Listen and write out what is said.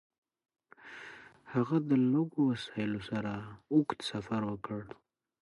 هغه د لږو وسایلو سره اوږد سفر وکړ.